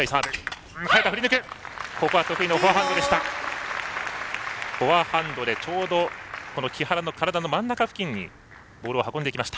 得意のフォアハンドでした。